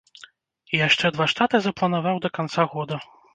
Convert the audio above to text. І яшчэ два штаты запланаваў да канца года.